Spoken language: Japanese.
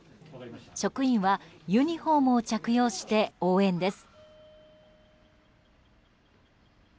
職員はユニホームを着用して応援です。